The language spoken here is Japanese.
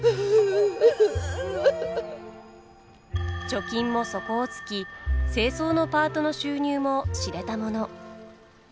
貯金も底をつき清掃のパートの収入も知れたもの。